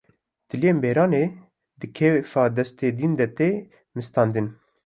Tiliyên beranê di kefa destê din de tê mistandin